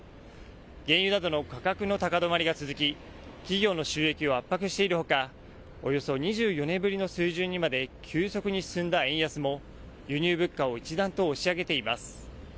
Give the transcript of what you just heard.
原油などの価格の高止まりが続き企業の収益を圧迫しているほかおよそ２４年ぶりの水準にまで急速に進んだ円安も輸入物価を一段と押し上げています。